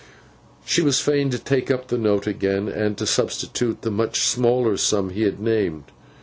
She was fain to take up the note again, and to substitute the much smaller sum he had named.